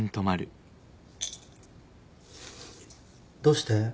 どうして？